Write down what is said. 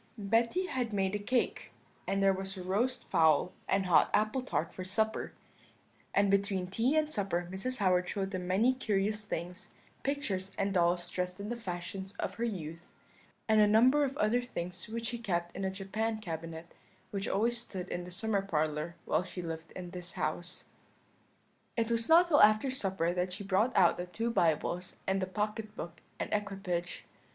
"Betty had made a cake, and there was a roast fowl and hot apple tart for supper; and between tea and supper Mrs. Howard showed them many curious things, pictures, and dolls dressed in the fashions of her youth, and a number of other things which she kept in a Japan cabinet, which always stood in the summer parlour while she lived in this house. "It was not till after supper that she brought out the two Bibles and the pocket book and equipage.